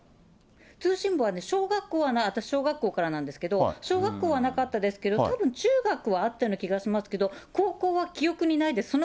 通信簿は小学校は、私、小学校からなんですけれども、小学校はなかったですけれども、たぶん中学はあったような気がしますけど、高校は記憶にないです。